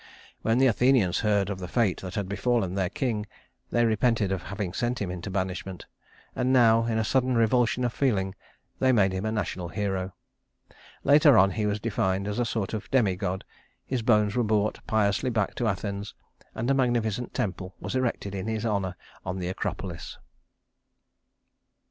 When the Athenians heard of the fate that had befallen their king, they repented of having sent him into banishment; and now, in a sudden revulsion of feeling, they made him a national hero. Later on he was deified as a sort of demigod; his bones were brought piously back to Athens; and a magnificent temple was erected in his honor on the Acropolis.